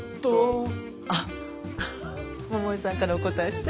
あっ桃恵さんからお答えして。